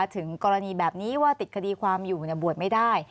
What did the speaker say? ถึงกรณีแบบนี้ว่าติดคดีความอยู่บวชไม่ได้